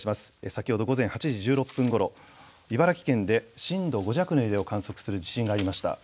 先ほど午前８時１６分ごろ、茨城県で震度５弱の揺れを観測する地震がありました。